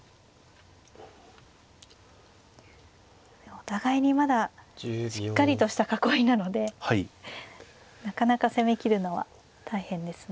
お互いにまだしっかりとした囲いなのでなかなか攻めきるのは大変ですね。